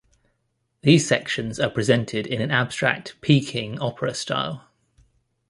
These sections are presented in an abstract, Peking opera style.